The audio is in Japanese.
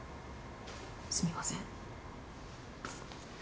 すみません。